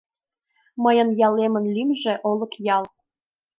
— Мыйын ялемын лӱмжӧ — Олыкъял.